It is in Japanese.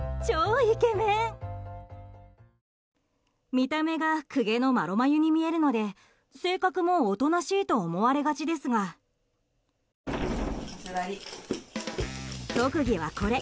見た目が公家の麻呂眉に見えるので性格も、おとなしいと思われがちですが、特技はこれ。